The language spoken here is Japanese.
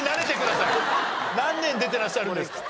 何年出てらっしゃるんですか。